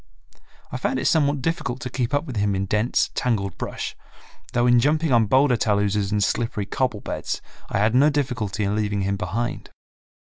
I found it somewhat difficult to keep up with him in dense, tangled brush, though in jumping on boulder taluses and slippery cobble beds I had no difficulty in leaving him behind.